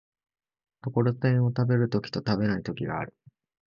ところてんを食べる時と食べない時がある。